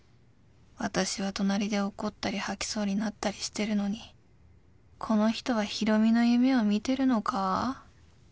私は隣で怒ったり吐きそうになったりしてるのにこの人はヒロミの夢を見てるのか？